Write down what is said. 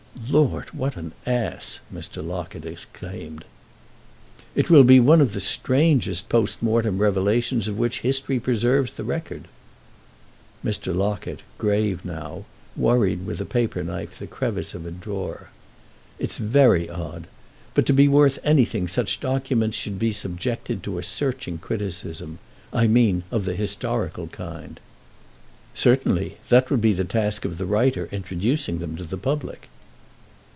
"Lord, what an ass!" Mr. Locket exclaimed. "It will be one of the strangest post mortem revelations of which history preserves the record." Mr. Locket, grave now, worried with a paper knife the crevice of a drawer. "It's very odd. But to be worth anything such documents should be subjected to a searching criticism—I mean of the historical kind." "Certainly; that would be the task of the writer introducing them to the public."